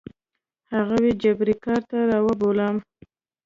هغوی جبري کار ته رابولم.